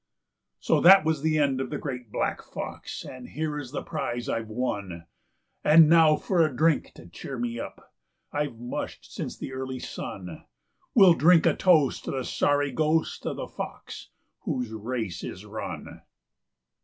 "So that was the end of the great black fox, and here is the prize I've won; And now for a drink to cheer me up I've mushed since the early sun; We'll drink a toast to the sorry ghost of the fox whose race is run."